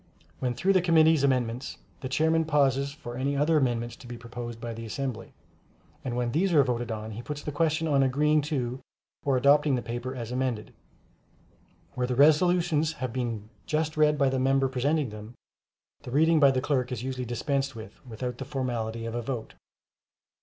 When through with the committee's amendments, the Chairman pauses for any other amendments to be proposed by the assembly; and when these are voted on, he puts the question on agreeing to or adopting the paper as amended. Where the resolutions have been just read by the member presenting them, the reading by the clerk is usually dispensed with without the formality of a vote.